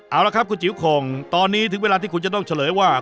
เอาละครับคุณจิ๋วโข่งตอนนี้ถึงเวลาที่คุณจะต้องเฉลยว่า